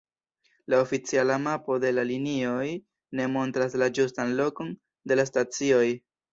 La oficiala mapo de la linioj ne montras la ĝustan lokon de la stacioj.